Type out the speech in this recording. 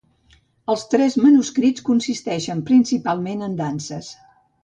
Els tres manuscrits consisteixen principalment en danses.